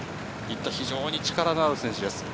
非常に力のある選手です。